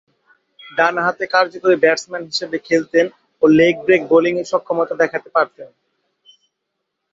ডানহাতে কার্যকারী ব্যাটসম্যান হিসেবে খেলতেন ও লেগ ব্রেক বোলিংয়ে সক্ষমতা দেখাতে পারতেন।